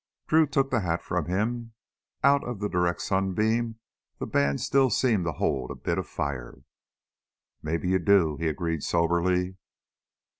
Drew took the hat from him. Out of the direct sunbeam, the band still seemed to hold a bit of fire. "Maybe you do," he agreed soberly.